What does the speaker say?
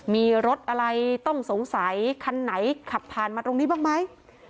มีรถอะไรต้องสงสัยคันไหนขับผ่านมาตรงนี้บ้างไหม